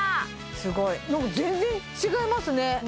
すごいなんか全然違いますね